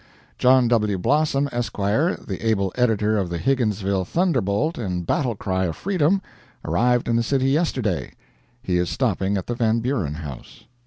John W. Blossom, Esq., the able editor of the Higginsville Thunderbolt and Battle Cry of Freedom, arrived in the city yesterday. He is stopping at the Van Buren House.